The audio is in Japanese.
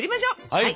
はい！